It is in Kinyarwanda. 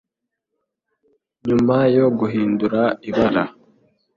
Nyuma yo guhindura ibara,